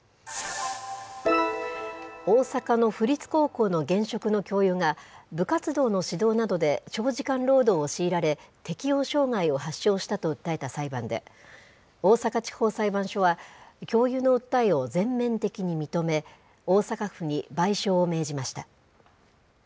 大阪の府立高校の現職の教諭が、部活動の指導などで長時間労働を強いられ、適応障害を発症したと訴えた裁判で、大阪地方裁判所は、教諭の訴えを全面的に認め、大阪府に賠償を命じました。